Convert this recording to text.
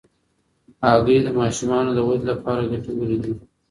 هګۍ د ماشومانو د ودې لپاره ګټورې دي.